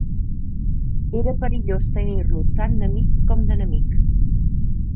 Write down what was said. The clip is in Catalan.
Era perillós tenir-lo tant d'amic com d'enemic.